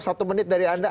satu menit dari anda